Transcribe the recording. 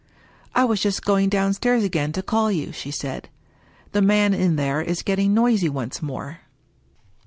" I was just going downstairs again to call you," she said. *' The man in there is getting noisy once more."